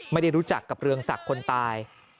ไม่ได้รู้จักกับเรืองศักดิ์คนตาย